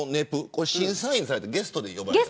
これ審査員をされていたのゲストで呼ばれたの。